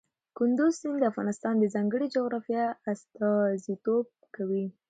کندز سیند د افغانستان د ځانګړي جغرافیه استازیتوب کوي.